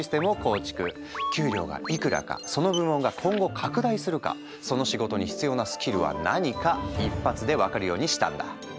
給料がいくらかその部門が今後拡大するかその仕事に必要なスキルは何か一発で分かるようにしたんだ。